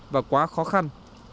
và quá khó khăn